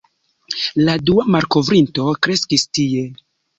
La dua malkovrinto kreskis tie.